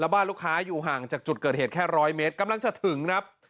บ้านลูกค้าอยู่ห่างจากจุดเกิดเหตุแค่๑๐๐เมตรกำลังจะถึงครับ